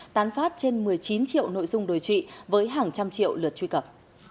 tán phát trên một mươi chín triệu nội dung đối trụy với hàng trăm triệu lượt truy cập